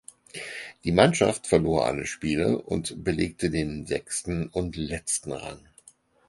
Die Mannschaft verlor alle Spiele und belegte den sechsten und letzten Rang.